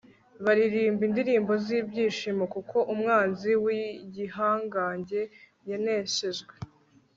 baririmba indirimbo z'ibyishimo kuko umwanzi w'igihangange yaneshejwe